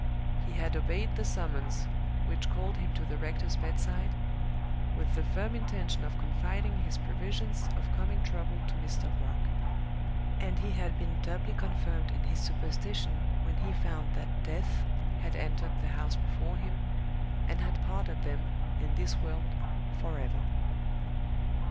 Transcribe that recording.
He had obeyed the summons which called him to the rector's bedside, with the firm intention of confiding his previsions of coming trouble to Mr. Brock; and he had been doubly confirmed in his superstition when he found that Death had entered the house before him, and had parted them, in this world, forever.